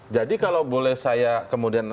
jadi kalau boleh saya kemudian